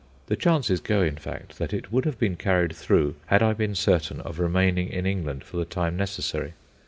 The chances go, in fact, that it would have been carried through had I been certain of remaining in England for the time necessary.